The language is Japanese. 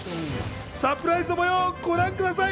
サプライズの模様をご覧ください。